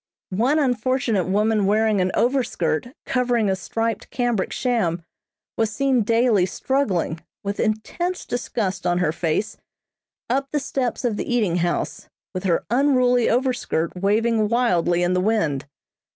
One unfortunate woman wearing an overskirt covering a striped cambric sham, was seen daily struggling, with intense disgust on her face, up the steps of the eating house, with her unruly overskirt waving wildly in the wind.